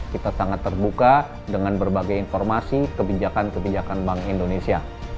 kita sangat terbuka dengan berbagai informasi kebijakan kebijakan bank indonesia